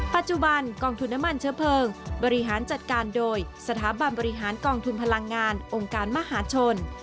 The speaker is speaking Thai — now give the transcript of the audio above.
ปัจจุบันกองทุนน้ำมันเชื้อเพลิงบริหารจัดการโดยสถาบันบริหารกองทุนพลังงานองค์การมหาชน